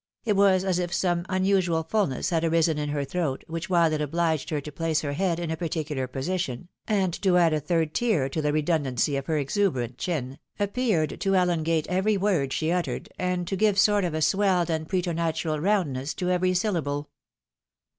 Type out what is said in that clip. It was as if some unusual fulness had arisen in her throat, which, while it obliged her to place her head in a particular position, and to add a third tier to the redundancy of her exuberant chin, ap peared to elongate every word she uttered, and to give a sort of swelled and preternatural roundness to every syUable.